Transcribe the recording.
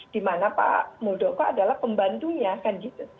di mana pak muldoko adalah pembantunya kan gitu